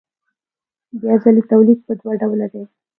بیا ځلي تولید په دوه ډوله دی